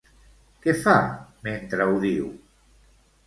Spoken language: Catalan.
Què fa mentre ho diu?